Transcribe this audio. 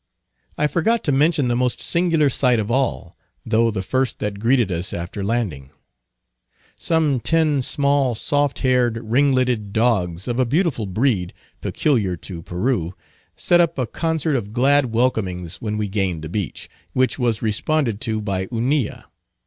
I forgot to mention the most singular sight of all, though the first that greeted us after landing. Some ten small, soft haired, ringleted dogs, of a beautiful breed, peculiar to Peru, set up a concert of glad welcomings when we gained the beach, which was responded to by Hunilla.